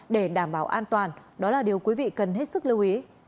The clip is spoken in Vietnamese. để đảm bảo an toàn đó là điều quý vị cần hết sức lưu ý